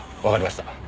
わかりました。